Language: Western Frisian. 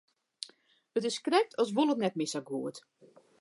It is krekt as wol it net mear sa goed.